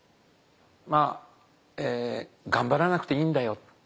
まあがんばらなくていいんだよ。